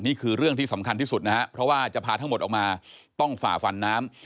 นี่คือเรื่องที่สำคัญที่สุดนะฮะเพราะว่าจะพาทั้งหมดออกมาต้องฝ่าฟันน้ำ